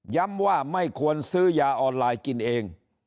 ว่าไม่ควรซื้อยาออนไลน์กินเอง